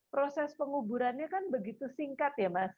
proses penguburannya kan begitu singkat ya mas